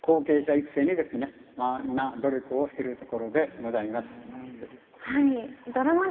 後継者の育成にみんな努力しているところでございます。